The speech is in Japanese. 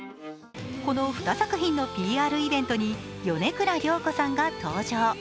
この２作品のＰＲイベントに米倉涼子さんが登場。